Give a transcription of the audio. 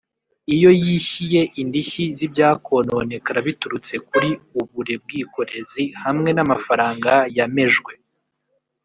iyo yishyiye indishyi zibyakononekara biturutse kuri uburebwikorezi hamwe namafaranga yamejwe